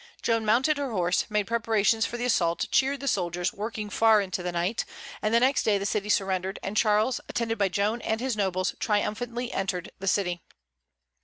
Joan mounted her horse, made preparations for the assault, cheered the soldiers, working far into the night; and the next day the city surrendered, and Charles, attended by Joan and his nobles, triumphantly entered the city.